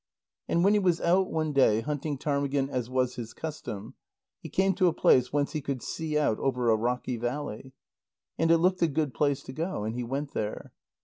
And when he was out one day, hunting ptarmigan as was his custom, he came to a place whence he could see out over a rocky valley. And it looked a good place to go. And he went there.